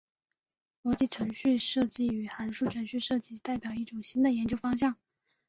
逻辑程序设计和函数程序设计代表一种新的研究方向。